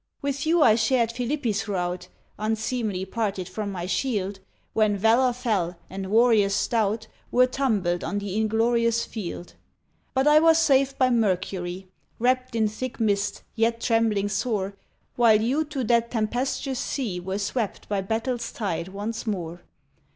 With you I shared Philippi's rout, Unseemly parted from my shield, When Valour fell, and warriors stout Were tumbled on the inglorious field: But I was saved by Mercury, Wrapp'd in thick mist, yet trembling sore, While you to that tempestuous sea Were swept by battle's tide once more.